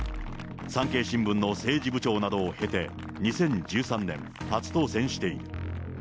産経新聞の政治部長などを経て、２０１３年、初当選している。